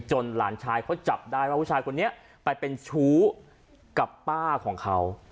หลานชายเขาจับได้ว่าผู้ชายคนนี้ไปเป็นชู้กับป้าของเขา